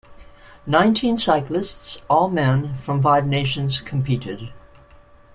Nineteen cyclists, all men, from five nations competed.